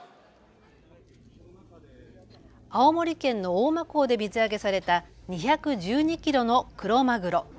青森県の大間港で水揚げされた２１２キロのクロマグロ。